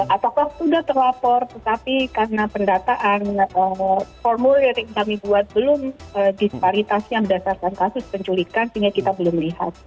ataukah sudah terlapor tetapi karena pendataan formulir yang kami buat belum disparitasnya berdasarkan kasus penculikan sehingga kita belum lihat